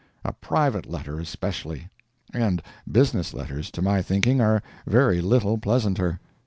A private letter especially. And business letters, to my thinking, are very little pleasanter.